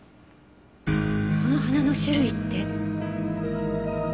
この花の種類って。